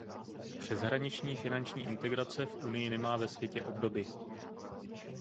Přeshraniční finanční integrace v Unii nemá ve světě obdoby.